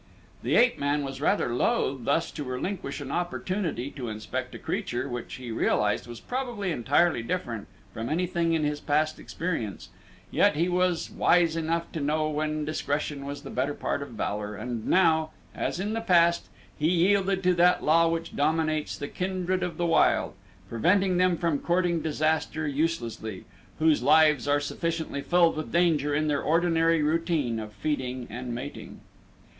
The ape man was rather loath thus to relinquish an opportunity to inspect a creature which he realized was probably entirely different from anything in his past experience; yet he was wise enough to know when discretion was the better part of valor and now, as in the past, he yielded to that law which dominates the kindred of the wild, preventing them from courting danger uselessly, whose lives are sufficiently filled with danger in their ordinary routine of feeding and mating.